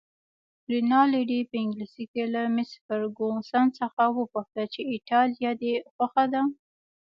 رینالډي په انګلیسي کې له مس فرګوسن څخه وپوښتل چې ایټالیه دې خوښه ده؟